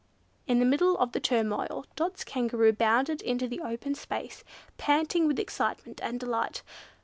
In the middle of the turmoil, Dot's Kangaroo bounded into the open space, panting with excitement and delight.